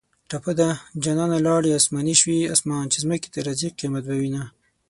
ټپه ده: جانانه لاړې اسماني شوې اسمان چې ځمکې ته راځي قیامت به وینه